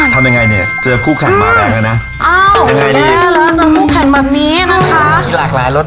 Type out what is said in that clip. สวัสดีครับน้ำพริกสวัสดีครับสวัสดีครับน้ำพริกอร่อยใหม่ไซส์มินิครับ